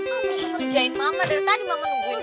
apa sih ngerjain mama dari tadi mama nungguin gue